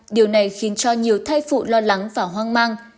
điều này khiến cho nhiều thai phụ lo lắng và hoang mang